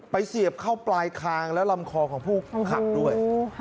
เสียบเข้าปลายคางและลำคอของผู้ขับด้วย